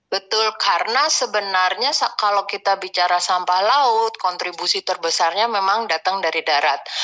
betul karena sebenarnya kalau kita bicara sampah laut kontribusi terbesarnya memang datang dari darat